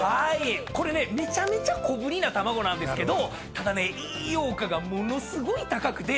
これねめちゃめちゃ小ぶりな卵なんですけど栄養価がものすごい高くて。